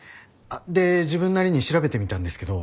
で自分なりに調べてみたんですけど。